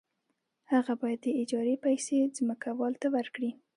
هغه باید د اجارې پیسې ځمکوال ته ورکړي